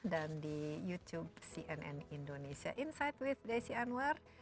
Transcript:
dan di youtube cnn indonesia insight with desy anwar